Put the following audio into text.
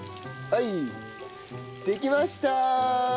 はいできました！